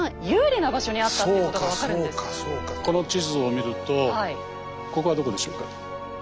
この地図を見るとここはどこでしょうか？